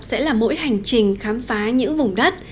sẽ là mỗi hành trình khám phá những vùng đất